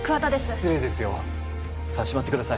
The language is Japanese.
失礼ですよしまってください